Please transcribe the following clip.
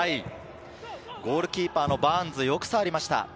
ゴールキーパーのバーンズ、よく触りました。